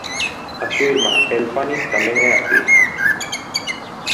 A súa irmá Elle Fanning tamén é actriz.